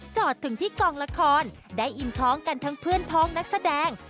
จอดถึงที่กองละครได้อิ่มท้องกันทั้งเพื่อนพ้องนักแสดง